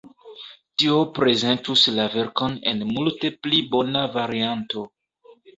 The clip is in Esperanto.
Tio prezentus la verkon en multe pli bona varianto.